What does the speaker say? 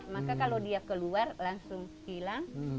maka kalau dia keluar langsung hilang